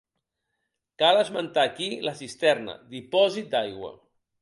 Cal esmentar aquí la Cisterna, dipòsit d'aigua.